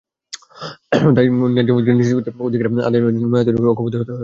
তাই ন্যায্য মজুরি নিশ্চিত করে অধিকার আদায়ে মেহনতি মানুষকে ঐক্যবদ্ধ হতে হবে।